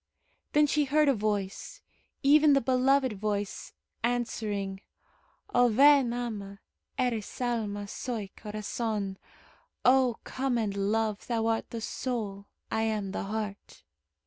Then she heard a voice even the beloved voice answering: "O ven! ama! Eres alma, Soy corazon." "O come and love Thou art the soul, I am the heart."